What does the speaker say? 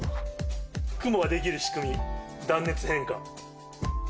雲が出来る仕組み、断熱変化。